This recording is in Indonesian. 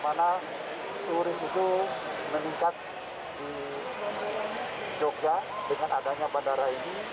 di mana turis itu meningkat di jogja dengan adanya bandara ini